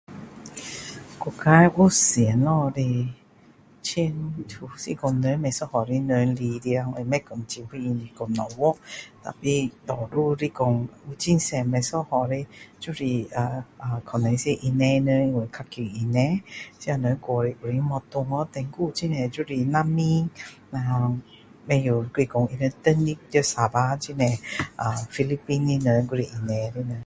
国家有什么的千出是说人有不一样的人来的我不是说很清楚你讲什么但是有很多不一样的就是可能是印尼人比较近印尼他们比较多过来就没有回去 then 还有很多就是难民不知还是他们特地在沙巴还有很多菲律宾的人还是印尼的人